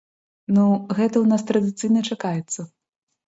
Ну, гэта ў нас традыцыйна чакаецца.